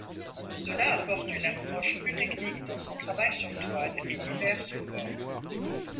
Cela apporte une approche plus technique dans son travail sur toiles et divers supports.